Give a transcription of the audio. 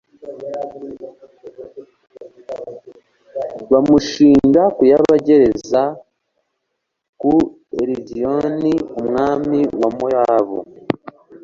bamushinga kuyabagereza kuri egiloni, umwami wa mowabu